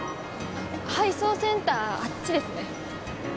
配送センターあっちですね。